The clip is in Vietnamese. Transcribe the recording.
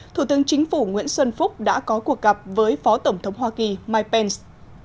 thủ tướng chính phủ nguyễn xuân phúc đã có cuộc gặp với phó tổng thống hoa kỳ mike pence